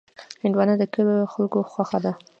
هندوانه د کلیو خلکو خوښه ده.